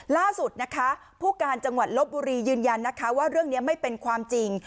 ล่าสุดนะคะผู้การจังหวัดลบบุรียืนยันนะคะว่าเรื่องนี้ไม่เป็นความจริง